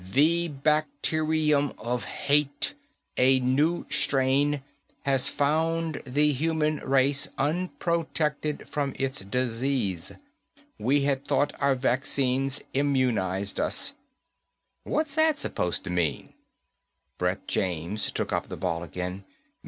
"The bacterium of hate a new strain has found the human race unprotected from its disease. We had thought our vaccines immunized us." "What's that suppose to mean?" Brett James took up the ball again.